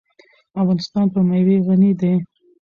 افغانستان په مېوې غني دی.